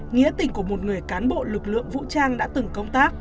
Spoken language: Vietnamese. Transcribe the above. nghĩa tình của một người cán bộ lực lượng vũ trang đã từng công tác